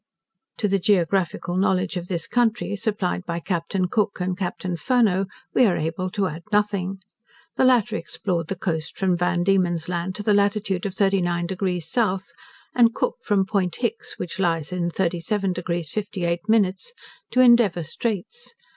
To the geographical knowledge of this country, supplied by Captain Cook, and Captain Furneaux, we are able to add nothing. The latter explored the coast from Van Diemen's land to the latitude of 39 deg south; and Cook from Point Hicks, which lies in 37 deg 58 min, to Endeavour Streights.